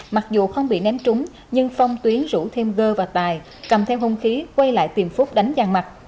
mặc dù không bị ném trúng nhưng phong tuyến rủ thêm gơ và tài cầm theo hông khí quay lại tìm phúc đánh giàn mặt